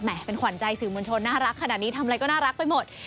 เป็นขวัญใจสื่อมวลชนน่ารักขนาดนี้ทำอะไรก็น่ารักไปหมด